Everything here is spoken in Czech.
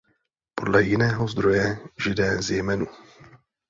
Podle jiného zdroje Židé z Jemenu.